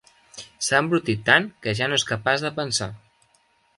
S'ha embrutit tant, que ja no és capaç de pensar!